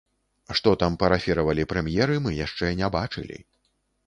Што там парафіравалі прэм'еры, мы яшчэ не бачылі.